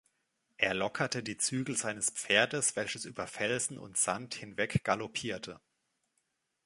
Er lockerte die Zügel seines Pferdes, welches über Felsen und Sand hinweg galoppierte.